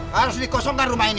harus dikosongkan rumah ini